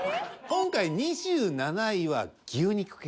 今回２７位は牛肉系。